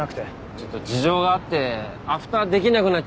ちょっと事情があってアフターできなくなっちゃって。